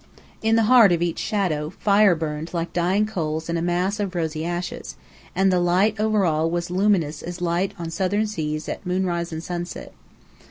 In the heart of each shadow, fire burned like dying coals in a mass of rosy ashes: and the light over all was luminous as light on southern seas at moonrise and sunset.